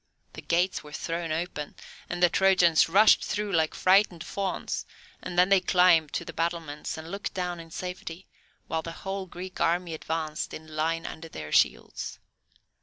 The gates were thrown open, and the Trojans rushed through like frightened fawns, and then they climbed to the battlements, and looked down in safety, while the whole Greek army advanced in line under their shields.